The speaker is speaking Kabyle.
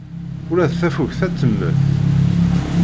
Ula d tafukt ad temmet.